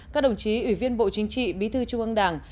các đồng chí ủy viên bộ chính trị bí thư trung ương đảng